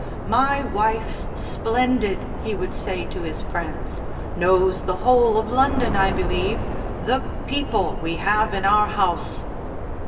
"My wife's splendid," he would say to his friends, "knows the whole of London, I believe. The people we have in our house!"